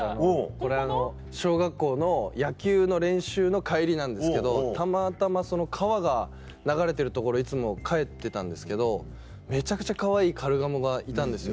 これ小学校の野球の練習の帰りなんですけどたまたま川が流れてる所いつも帰ってたんですけどめちゃくちゃかわいいカルガモがいたんですよ。